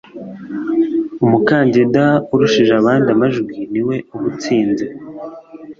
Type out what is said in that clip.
umukandida urushije abandi amajwi ni we uba utsinze